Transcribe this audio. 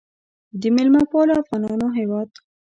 د میلمه پالو افغانانو هیواد.